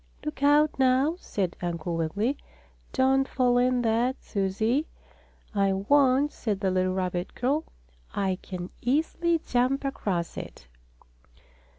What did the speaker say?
"Look out, now!" said Uncle Wiggily. "Don't fall in that, Susie." "I won't," said the little rabbit girl. "I can easily jump across it."